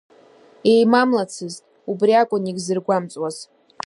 Еимамлацызт, убри акәын иагьзыргәамҵуаз.